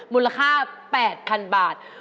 มูลค่า๘๐๐๐บาท